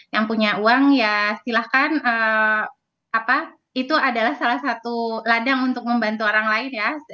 yang punya uang ya silahkan itu adalah salah satu ladang untuk membantu orang lain ya